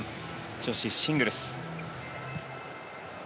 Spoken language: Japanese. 女子シングルス。